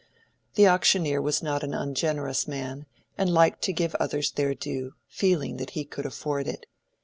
The auctioneer was not an ungenerous man, and liked to give others their due, feeling that he could afford it.